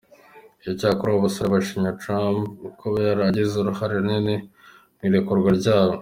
Icyakora aba basore bashimiye Trump kuba yaragize uruhare runini mu irekurwa ryabo.